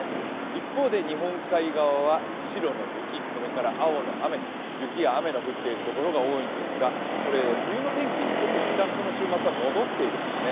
一方で日本海側は白の雪、それから青の雨と雪や雨が降ってるところが多いんですけど冬の天気にいったんこの週末は戻っているんですね。